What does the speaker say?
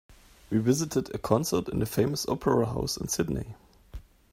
We visited a concert in the famous opera house in Sydney.